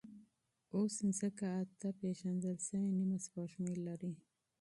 اوس ځمکه اته پېژندل شوې نیمه سپوږمۍ لري.